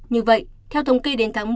như vậy theo thống kê địa chỉ